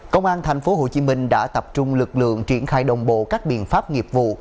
công an tp hcm đã tập trung lực lượng triển khai đồng bộ các biện pháp nghiệp vụ